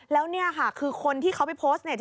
แล้วคือคนที่เขาไปโพสต์